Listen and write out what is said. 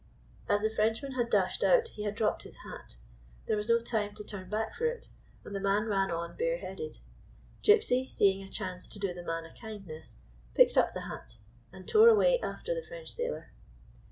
As the Frenchman had dashed out he had dropped his hat. There was no time to turn back for it, and the man ran on bareheaded. Gypsy, seeing a chance to do the man a kind ness, picked up the hat, and tore away after the French sailor.